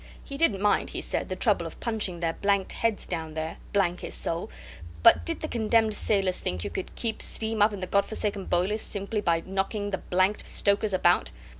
He didn't mind, he said, the trouble of punching their blanked heads down there, blank his soul, but did the condemned sailors think you could keep steam up in the God forsaken boilers simply by knocking the blanked stokers about?